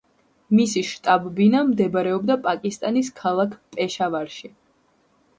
მისი შტაბ-ბინა მდებარეობდა პაკისტანის ქალაქ პეშავარში.